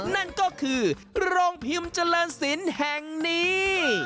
นั่นก็คือโรงพิมพ์เจริญศิลป์แห่งนี้